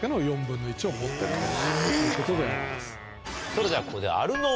それではここで。